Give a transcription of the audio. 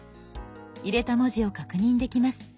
入れた文字を確認できます。